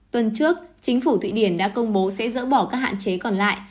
tuần trước chính phủ thụy điển đã công bố sẽ dỡ bỏ các hạn chế còn lại